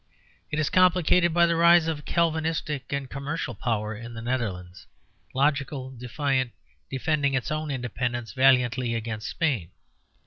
It is complicated by the rise of a Calvinistic and commercial power in the Netherlands, logical, defiant, defending its own independence valiantly against Spain.